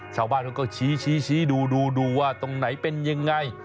ชาวบ้านเขาก็ชี้ดูดูว่าตรงไหนเป็นยังไง